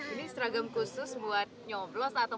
ini seragam khusus buat nyoblos atau